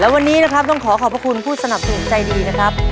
วันนี้นะครับต้องขอขอบพระคุณผู้สนับสนุนใจดีนะครับ